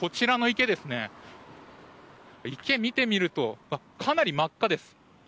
池、見てみるとかなり真っ赤です。